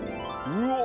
うわっ！